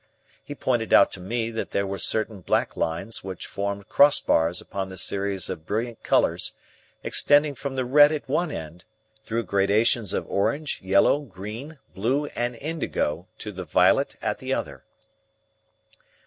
He pointed out to me that there were certain black lines which formed crossbars upon the series of brilliant colours extending from the red at one end through gradations of orange, yellow, green, blue, and indigo to the violet at the other.